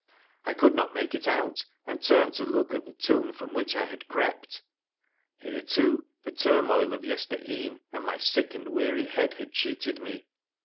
I could not make it out, and turned to look at the tomb from which I had crept. Here, too, the turmoil of yestere'en and my sick and weary head had cheated me.